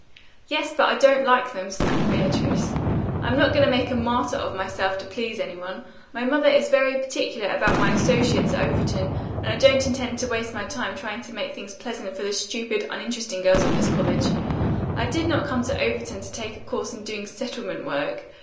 "Yes, but I don't like them," snapped Beatrice. "I'm not going to make a martyr of myself to please any one. My mother is very particular about my associates at Overton, and I don't intend to waste my time trying to make things pleasant for the stupid, uninteresting girls of this college. I did not come to Overton to take a course in doing settlement work.